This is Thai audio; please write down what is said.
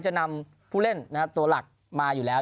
จะนำผู้เล่นตัวหลักมาอยู่แล้ว